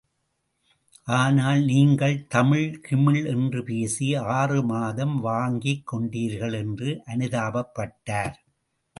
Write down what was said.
ஆனால் நீங்கள் தமிழ் கிமிழ் என்று பேசி ஆறுமாதம் வாங்கிக் கொண்டீர்கள் என்று அனுதாபப்பட்டார்.